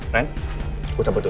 ren gue sampai dulu